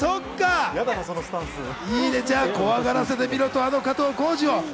そっか、じゃあ怖がらせてみろと加藤浩次を。